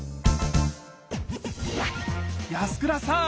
安倉さん！